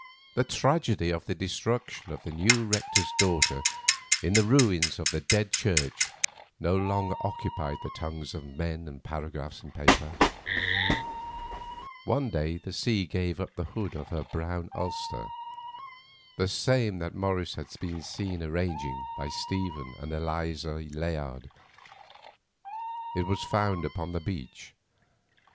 The tragedy of the destruction of the new rector's daughter in the ruins of the Dead Church no longer occupied the tongues of men and paragraphs in papers. One day the sea gave up the hood of her brown ulster, the same that Morris had been seen arranging by Stephen and Eliza Layard; it was found upon the beach.